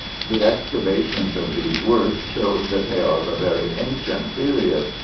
The excavation of these works shows, that they are of a very ancient period.